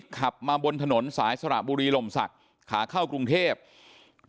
ขับมาบนถนนสายสระบุรีลมศักดิ์ขาเข้ากรุงเทพ